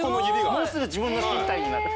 もうすぐ自分の身体になる？